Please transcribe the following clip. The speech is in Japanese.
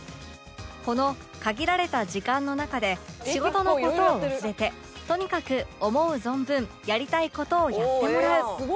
この限られた時間の中で仕事の事は忘れてとにかく思う存分やりたい事をやってもらう